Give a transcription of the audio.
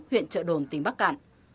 huyện trợ đồn tỉnh bắc cạn